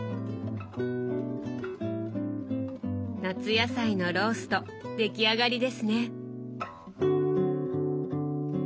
夏野菜のロースト出来上がりですね。